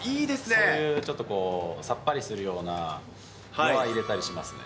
そういうちょっとこう、さっぱりするようなのは入れたりしますね。